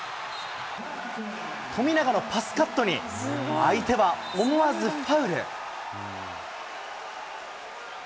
富永のパスカットに、相手は思わずファウル。